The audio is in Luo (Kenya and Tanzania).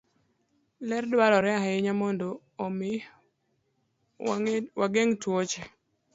Ler dwarore ahinya mondo omi wageng' tuoche.